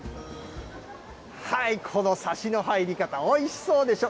このさしの入り方、おいしそうでしょう。